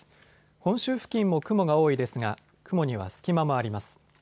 本州付近も雲が多いですが雲には隙間もあります。